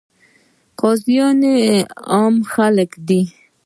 قاضیان یې عام خلک دي.